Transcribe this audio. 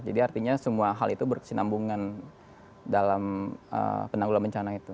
jadi artinya semua hal itu bersinambungan dalam penanggulangan bencana itu